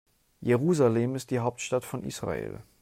Jerusalem ist die Hauptstadt von Israel.